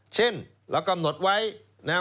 เช่นเรากำหนดไว้นะครับ